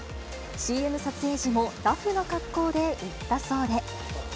ＣＭ撮影時もラフな格好で行ったそうで。